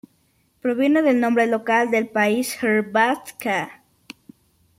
Proviene del nombre local del país, "Hrvatska".